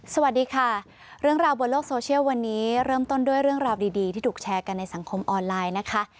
สวัสดีค่ะเรื่องราวบนโลกโซเชียลวันนี้เริ่มต้นด้วยเรื่องราวดีที่ถูกแชร์กันในสังคมออนไลน์นะคะ